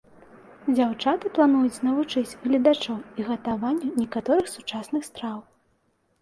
Дзяўчаты плануюць навучыць гледачоў і гатаванню некаторых сучасных страў.